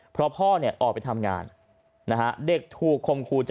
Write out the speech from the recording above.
เพราะพ่อเนี่ยออกไปทำงานนะฮะเด็กถูกคมครู